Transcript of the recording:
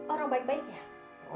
orang baik baik ya